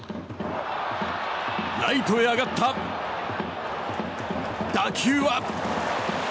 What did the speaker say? ライトへ上がった打球は。